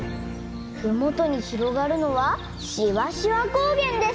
ふもとにひろがるのはしわしわこうげんです！